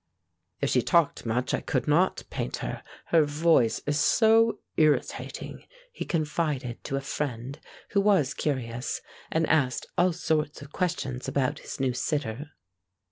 "If she talked much I could not paint her, her voice is so irritating," he confided to a friend who was curious and asked all sorts of questions about his new sitter.